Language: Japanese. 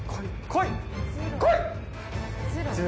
こい！